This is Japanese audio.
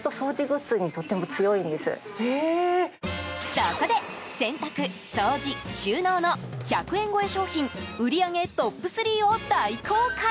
そこで、洗濯、掃除、収納の１００円超え商品売り上げトップ３を大公開。